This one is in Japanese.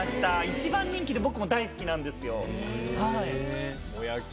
一番人気で僕も大好きなんですよ。